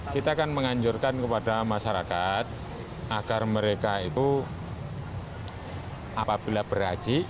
kita akan menganjurkan kepada masyarakat agar mereka itu apabila berhaji